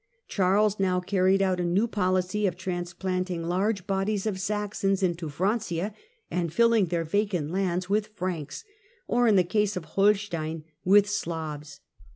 Charles now carried out a new policy of transplanting large bodies of Saxons into Francia and illing their vacant lands with Franks, or, in the case 3f Holstein, with Slavs.